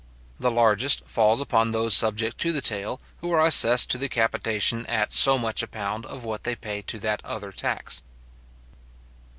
The largest falls upon those subject to the taille, who are assessed to the capitation at so much a pound of what they pay to that other tax.